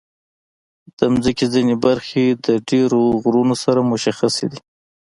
د مځکې ځینې برخې د ډېرو غرونو سره مشخصې دي.